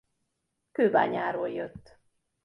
Kőbányáról jött.